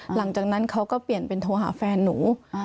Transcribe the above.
หลังจากนั้นเขาก็เปลี่ยนเป็นโทรหาแฟนหนู